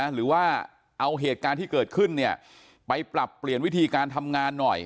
หรือว่าเอาเหตุการณ์ที่เกิดขึ้นเนี่ยไปปรับเปลี่ยนวิธีการทำงานหน่อย